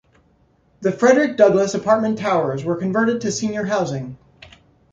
The Frederick Douglass Apartment towers were converted to senior housing.